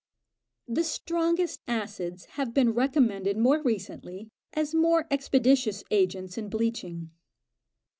The strongest acids have been recommended more recently as more expeditious agents in bleaching.